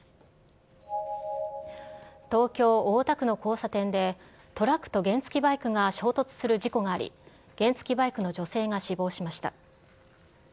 東京・大田区の交差点で、トラックと原付きバイクが衝突する事故があり、原付きバイクの女性が死亡しました。